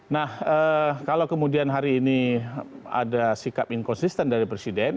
nah kalau kemudian hari ini ada sikap inkonsisten dari presiden